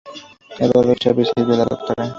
Eduardo Chávez Silva, la Dra.